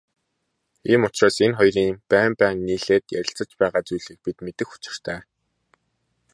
Ийм учраас энэ хоёрын байн байн нийлээд ярилцаж байгаа зүйлийг бид мэдэх учиртай.